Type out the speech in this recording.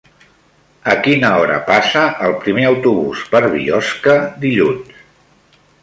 A quina hora passa el primer autobús per Biosca dilluns?